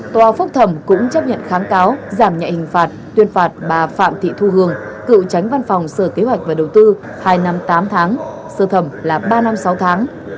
tòa phúc thẩm cũng chấp nhận kháng cáo giảm nhạy hình phạt tuyên phạt bà phạm thị thu hường cựu tránh văn phòng sở kế hoạch và đầu tư hai năm tám tháng sơ thẩm là ba năm sáu tháng